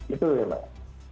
itu ya mbak